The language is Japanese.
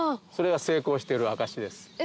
それが成功している証しです。